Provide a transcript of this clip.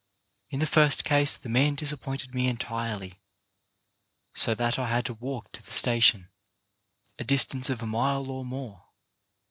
In the first case the man disappointed me entirely, so that I had to walk to the station, a distance of a mile or more.